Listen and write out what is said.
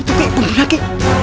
itu kakak berdiri lagi